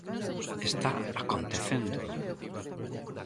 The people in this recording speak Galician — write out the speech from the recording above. ¡Está acontecendo!